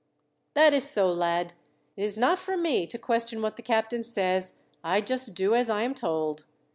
"That is so, lad. It is not for me to question what the captain says, I just do as I am told.